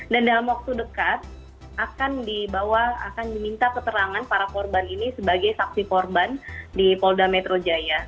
dan dalam waktu dekat akan dibawa akan diminta keterangan para korban ini sebagai saksi korban di polda metro jaya